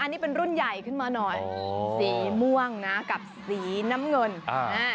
อันนี้เป็นรุ่นใหญ่ขึ้นมาหน่อยสีม่วงนะกับสีน้ำเงินอ่า